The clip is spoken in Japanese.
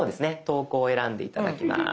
投稿を選んで頂きます。